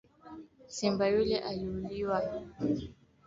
Kutumia sindano zilizotumika